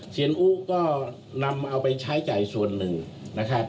เสียนอุก็นำเอาไปใช้จ่ายส่วนหนึ่งนะครับ